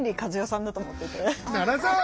奈良さん！